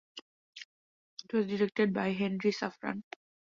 It was directed by Henri Safran.